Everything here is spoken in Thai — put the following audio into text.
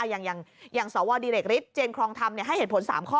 อย่างสวดิเรกฤทธเจนครองธรรมให้เหตุผล๓ข้อ